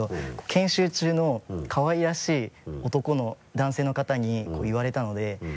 研修中のかわいらしい男性の方に言われたので。